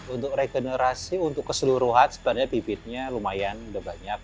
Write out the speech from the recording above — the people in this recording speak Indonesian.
untuk regenerasi untuk keseluruhan sebenarnya bibitnya lumayan udah banyak